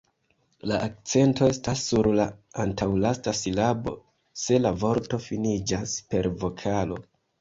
La akcento estas sur la antaŭlasta silabo, se la vorto finiĝas per vokalo.